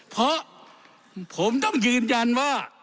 เพราะผมต้องยืนยันว่า